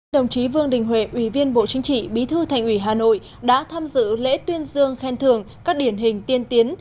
đồng chí vương đình huệ ủy viên bộ chính trị bí thư thành ủy hà nội đã tham dự lễ tuyên dương khen thường các điển hình tiên tiến